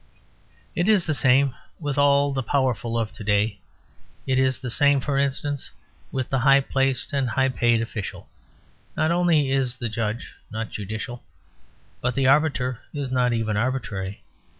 It is the same with all the powerful of to day; it is the same, for instance, with the high placed and high paid official. Not only is the judge not judicial, but the arbiter is not even arbitrary.